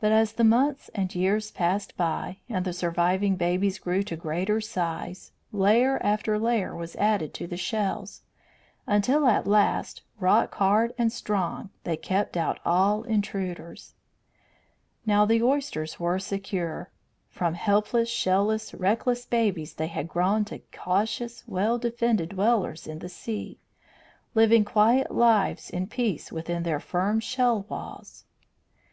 But as the months and years passed by, and the surviving babies grew to greater size, layer after layer was added to the shells, until at last, rock hard and strong, they kept out all intruders. Now the oysters were secure. From helpless, shell less, reckless babies they had grown to cautious, well defended dwellers in the sea, living quiet lives in peace within their firm shell walls.